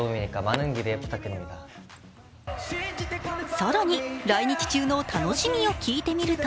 更に、来日中の楽しみを聞いてみると